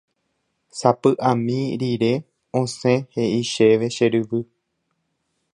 Sapy'ami rire osẽ he'i chéve che ryvy.